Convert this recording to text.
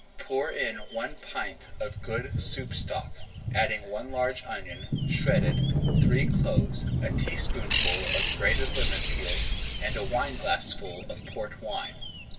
Pour in one pint of good soup stock, adding one large onion, shredded, three cloves, a teaspoonful of grated lemon peel, and a wineglassful of Port wine.